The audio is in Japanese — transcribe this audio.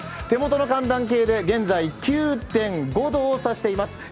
手元の寒暖計で現在９．５度を指しています。